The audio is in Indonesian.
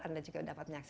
anda juga dapat nyatakan